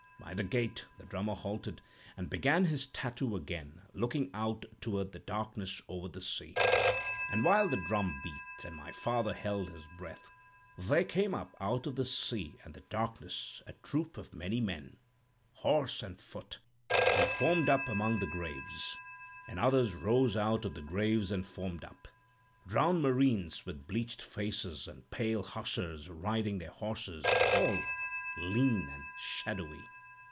By the gate the drummer halted, and began his tattoo again, looking out toward the darkness over the sea. "And while the drum beat, and my father held his breath, there came up out of the sea and the darkness a troop of many men, horse and foot, and formed up among the graves; and others rose out of the graves and formed up—drowned Marines with bleached faces, and pale Hussars, riding their horses, all lean and shadowy.